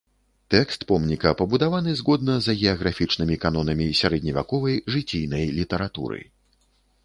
Тэкст помніка пабудаваны згодна з агіяграфічнымі канонамі сярэдневяковай жыційнай літаратуры.